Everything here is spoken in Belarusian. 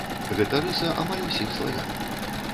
Гэта рыса амаль усіх славян.